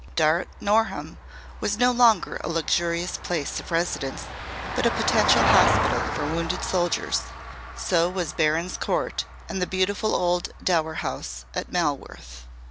Darte Norham was no longer a luxurious place of residence but a potential hospital for wounded soldiers; so was Barons Court and the beautiful old Dower House at Malworth.